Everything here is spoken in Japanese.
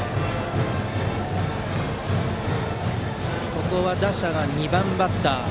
ここは打者が２番バッター。